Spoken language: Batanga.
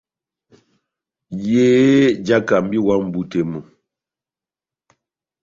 Yehé jáhákamba iwa mʼbú tɛ́h mú.